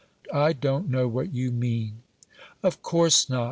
"I don't know what you mean." "Of course not.